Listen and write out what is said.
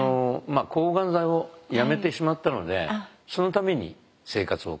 抗がん剤をやめてしまったのでそのために生活を変えて。